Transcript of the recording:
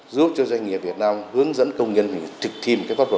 giúp cho doanh nghiệp việt nam hướng dẫn công nhân mình thực thêm cái pháp luật